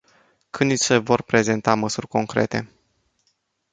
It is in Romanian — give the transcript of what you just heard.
Când ni se vor prezenta măsuri concrete?